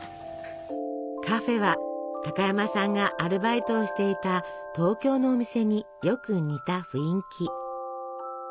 カフェは高山さんがアルバイトをしていた東京のお店によく似た雰囲気。